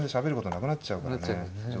なくなっちゃうんだよね。